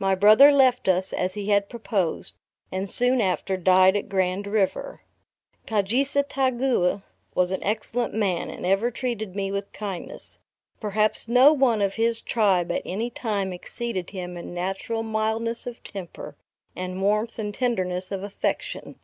My brother left us, as he had proposed, and soon after died at Grand River. Kaujisestaugeau, was an excellent man, and ever treated me with kindness. Perhaps no one of his tribe at any time exceeded him in natural mildness of temper, and warmth and tenderness of affection.